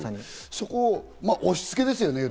そこ、押しつけですよね。